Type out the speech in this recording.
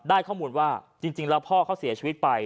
ข้อมูลว่าจริงแล้วพ่อเขาเสียชีวิตไป